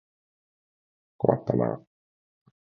困ったなあ。